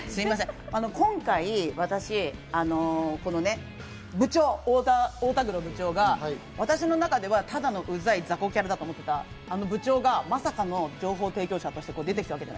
今回、私、部長・太田黒が私の中ではただのウザい雑魚キャラだったあの部長が、まさかの情報提供者として出てきたわけです。